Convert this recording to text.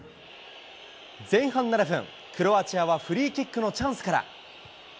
前半７分、クロアチアはフリーキックのチャンスから。